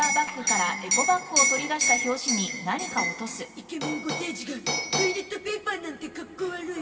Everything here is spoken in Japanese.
イケメン５歳児がトイレットペーパーなんてかっこ悪い。